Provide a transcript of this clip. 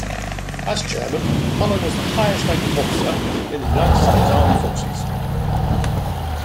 As Chairman, Mullen was the highest-ranking officer in the United States Armed Forces.